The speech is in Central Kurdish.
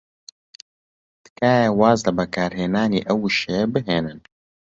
تکایە واز لە بەکارهێنانی ئەو وشەیە بهێنن.